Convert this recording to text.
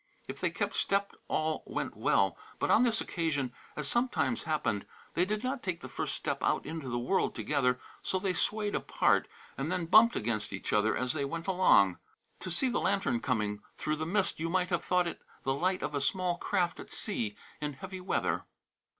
If they kept step all went well; but on this occasion, as sometimes happened, they did not take the first step out into the world together, so they swayed apart, and then bumped against each other as they went along. To see the lantern coming through the mist you might have thought it the light of a small craft at sea in heavy weather."